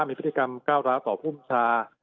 มีพฤติกรรมก้าวล้าต่อผู้มรึชา